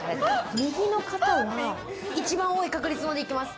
右の方は、一番多い確率でいきます。